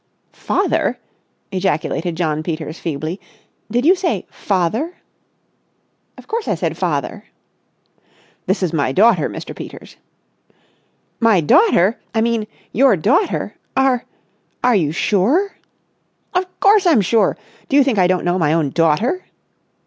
"Father!" ejaculated Jno. Peters feebly. "Did you say 'father?'" "Of course I said 'father!'" "This is my daughter, Mr. Peters." "My daughter! I mean, your daughter! Are—are you sure?" "Of course I'm sure. Do you think I don't know my own daughter?"